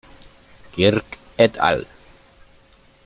Kirk et al.